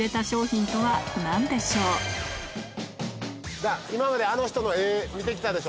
さぁ今まであの人の絵見てきたでしょ。